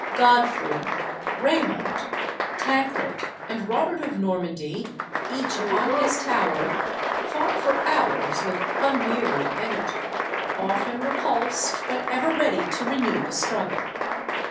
Godfrey, Raymond, Tancred, and Robert of Normandy, each upon his tower, fought for hours with unwearied energy, often repulsed, but ever ready to renew the struggle.